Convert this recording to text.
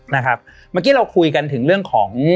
เมื่อกี้เราคุยกันถึงเรื่องของ